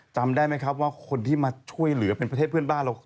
จำได้ไหมครับว่าคนที่มาช่วยเหลือเป็นประเทศเพื่อนบ้านเรา